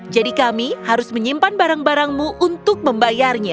jadi kami harus menyimpan barang barangmu untuk membayarnya